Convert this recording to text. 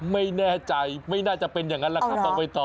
ไม่แน่ใจไม่น่าจะเป็นอย่างนั้นแหละครับน้องใบตอ